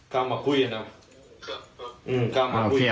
คนเดียวมันว่ามาตาหน่อง